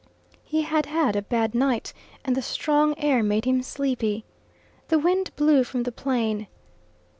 He had had a bad night, and the strong air made him sleepy. The wind blew from the Plain.